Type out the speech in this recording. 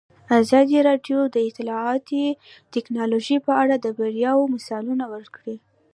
ازادي راډیو د اطلاعاتی تکنالوژي په اړه د بریاوو مثالونه ورکړي.